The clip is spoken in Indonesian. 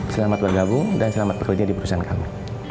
selamat bergabung dan selamat bekerja di perusahaan kami